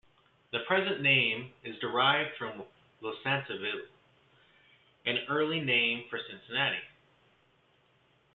The present name is derived from Losantiville, an early name for Cincinnati.